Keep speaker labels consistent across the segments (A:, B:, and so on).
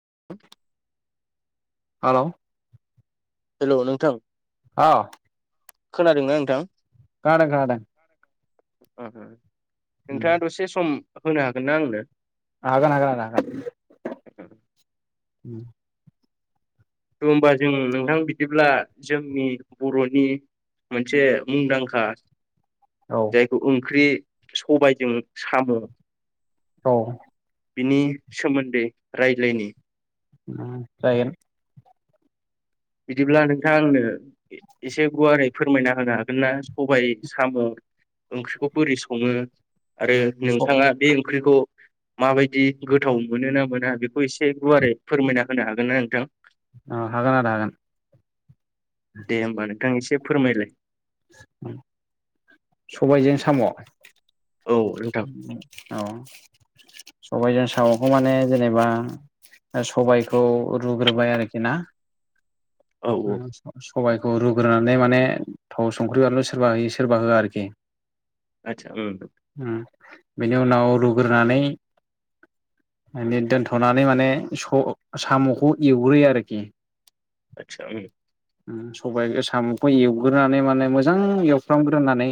A: [inaudible]
B: हालाव
A: hello नोंथां
B: अ
A: खोनादोंना नोंथां?
B: खोनादों खोनादों
A: ओ खोनादों
B: उम
A: नोंथाङा दसे सम होनो हागोन ना आंनो?
B: हागोन हागोन होनो हागोन उम
A: थु होनोमबा जों नोंथां बिदिब्ला जोंनि बर'नि मोनसे मुंदांखा
B: औ
A: जायखौ ओंख्रि सबायजों साम'
B: औ
A: बिनि सोमोन्दै रायज्लायनि ।
B: ओ जायगोन
A: बिदिब्ला नोंथाङा आंनो एसे गुवारै फोरमायना होनो हागोन ना सबाइ साम ओंख्रिखौ बोरै सङो। आरो
B: स ओ
A: नोंथाङा बे ओंख्रिखौ माबायदि गोथाव मोनो ना मोना बेखौ एसे गुवारै फोरमायना होनो हागोन ना नोंथां?
B: औ हागोन आदा हागोन।
A: दे होमबा नोंथां एसे फोरमायलाय।
B: सबायजों साम औ।
A: औ नोंथां
B: सबायजों सामखौ माने जेनेबा सबायखौ रुग्रोबाय आरोखि ना। [inaudible]
A: औ औ
B: सबायाइखौ रुग्रोनानै माने थाव संख्रि बानलु सोरबा होयो सोरबा होआ आरोखि
A: आतसा ओ।
B: उम बेनि उनाव रुग्रोनानै मे दोनथनानै माने सामखौ एवग्रोयो आरोखि।
A: आतसा उ ।
B: सबाय सामखौ एवग्रोनानै माने मोजां एवफ्रामग्रोनानै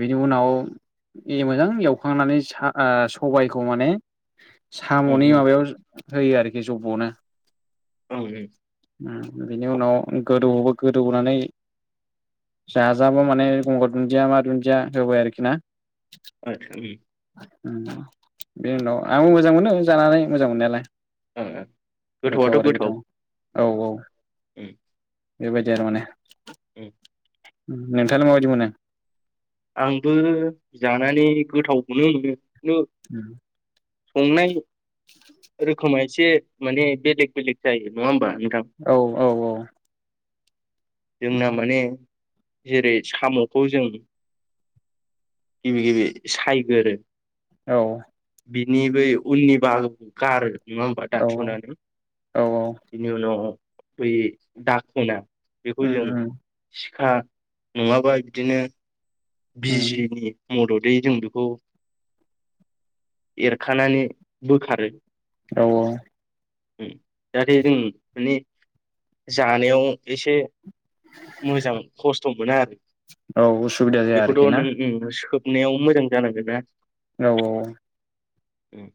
B: बिनि उनाव ए मोजां एवखांनानै सा-ओ-सबायखौ माने
A: उम
B: सामनि
A: उम
B: माबायाव होयो आरोखि जबनो
A: [inaudible]
B: बिनि उनाव गोदौबो गोदौनानै जाजाबो माने गंगार दुन्दिया मा दुन्दिया होबाय आरोखि ना।
A: आतसा उम।
B: बेनि उनाव आंबो मोजां मोनो जानानै मोजां मोननायालाय।
A: गोथौआथ गोथाव।
B: औ औ बेबायदि आरो माने
A: उम।
B: नोंथाङालाइ माबादि मोनो?
A: आंबो जानानै गोथावखौनो मोनो। खिन्थु
B: [unintelligible]
A: संनाय। रोखोमै एसे माने बेलेग बेलेग जायो नङा होमबा? नोंथां
B: औ औ औ।
A: जोंना माने जेरै सामखौ जों गिबि गिबि सायगोरो।
B: औ।
A: बिनि बै उननि बाहागोखौ गारो। नङा होमबा दानसनानै
B: औ
A: बिनि उनाव बै दाखोना बेखौ जों हा नङाबा बिदिनो बिजिनि मददै जों बेखौ एरखानानै बोखारो
B: औ ओ
A: जाहाथे जों माने जानायाव एसे मोजां खस्थ मोना आरो
B: औ उसुबिदा जाया आरोखि
A: बेखौथ
B: ना
A: [unintelligible] सोब याव मोजां जानांगोन ना
B: औ औ
A: उम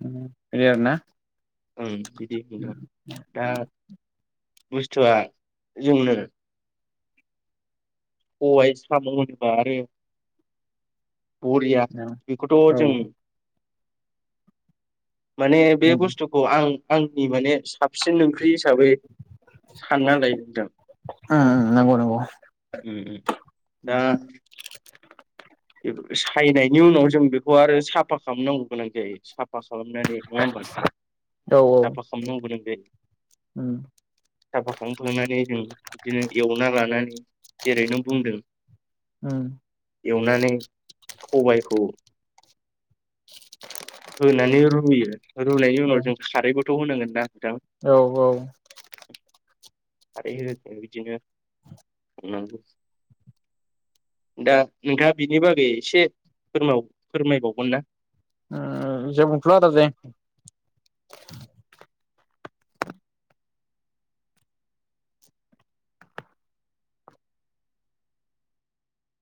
B: [unintelligible] आरोना
A: ओं बिदि नोंथां दा बुस्थुआ जोंनो साबाय साम होनोबा आरो बरिया
B: औ
A: बेखौथ जों माने बे
B: नंगौ।
A: बुस्थुखौ आं आंनि माने साबसिन ओंख्रि हिसाबै सानना लायो नोंथां।
B: उम नंगौ नंगौ
A: दा
B: [unintelligible]
A: बे सायनायनि उनाव जों बे आरो साफा खालामनांगौ गोनां जायो साफा खालामनानै नङा होनबा नोंथां
B: औ
A: साफा खालामनांगौ गोनां जायो
B: उम
A: साफा खालामखांनानै जों बिदिनो एवना लानानै जेरै‌ नों बुंदों।
B: उम
A: नानै खबायाइखौ होननानै रुयो रुनायनि उनाव जों खारैब खौ होनांगोन दा
B: औ औ
A: खारै होदों बिदिनो, [unintelligible] दा नोंथाङा बिनि बागै एसे फोरमायबावगोन ना?
B: ओ [unintelligible] जै